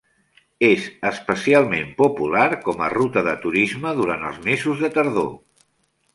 És especialment popular com a ruta de turisme durant els mesos de tardor.